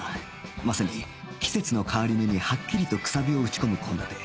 まさに季節の変わり目にはっきりとくさびを打ち込む献立